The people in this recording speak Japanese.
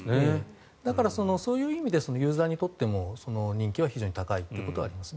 だからそういう意味でユーザーにとっても人気は非常に高いということはあります。